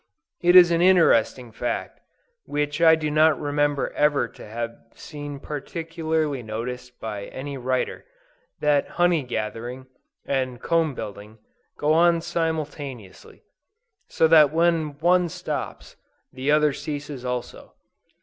It is an interesting fact, which I do not remember ever to have seen particularly noticed by any writer, that honey gathering, and comb building, go on simultaneously; so that when one stops, the other ceases also.